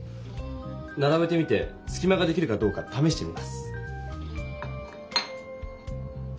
ならべてみてすきまができるかどうかためしてみます。